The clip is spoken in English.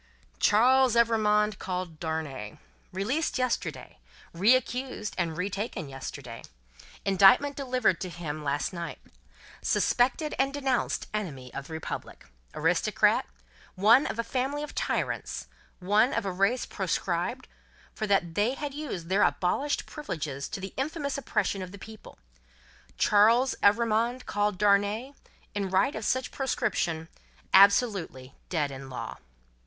Charles Evrémonde, called Darnay. Released yesterday. Reaccused and retaken yesterday. Indictment delivered to him last night. Suspected and Denounced enemy of the Republic, Aristocrat, one of a family of tyrants, one of a race proscribed, for that they had used their abolished privileges to the infamous oppression of the people. Charles Evrémonde, called Darnay, in right of such proscription, absolutely Dead in Law.